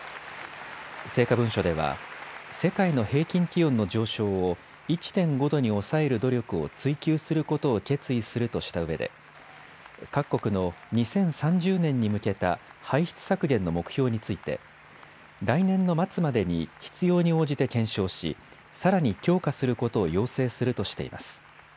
成果文書では世界の平均気温の上昇を１．５度に抑える努力を追求することを決意するとしたうえで各国の２０３０年に向けた排出削減の目標について来年の末までに必要に応じて検証しさらに強化することを要請するとしています。